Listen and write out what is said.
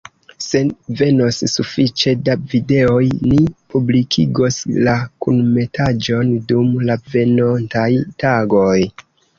Se venos sufiĉe da videoj, ni publikigos la kunmetaĵon dum la venontaj tagoj.